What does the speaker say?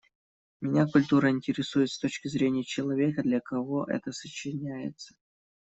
Меня культура интересует с точки зрения человека, для кого это сочиняется.